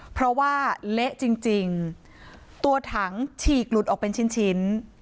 เพราะว่าเละจริงตัวถังฉีกหลุดออกเป็นชิ้นชิ้น